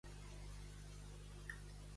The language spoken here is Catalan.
El pitjor enemic és el que adula.